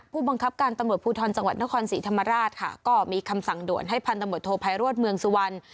ผู้บังคับการตำรวจภูทรจังหวัดนครศรีธรรมราชค่ะก็มีคำสั่งด่วนให้พันธมตโทภัยรวดเมืองสุวรรณ